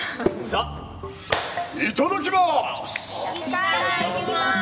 さあいただきます！